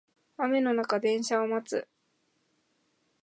雨の中電車を待つ